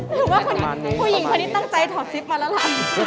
หรือว่าผู้หญิงคนนี้ตั้งใจถอดซิปมาแล้วล่ะ